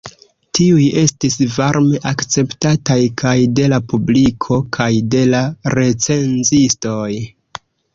Tiuj estis varme akceptataj kaj de la publiko kaj de la recenzistoj.